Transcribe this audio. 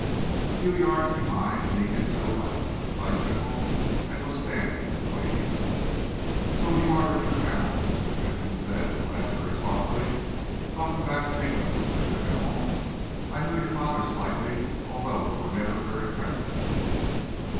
A few yards behind, Meekins had alighted from his bicycle and was standing waiting. "So you are Richard Hamel," Mr. Fentolin said at last very softly. "Welcome back to England, Richard Hamel! I knew your father slightly, although we were never very friendly."